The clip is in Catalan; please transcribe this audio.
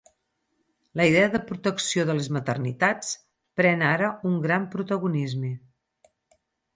La idea de protecció de les maternitats pren ara un gran protagonisme.